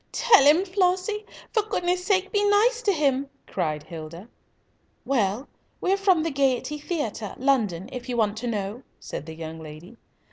"Tell him, Flossie! For goodness' sake be nice to him!" cried Hilda. "Well, we're from the Gaiety Theatre, London, if you want to know," said the young lady.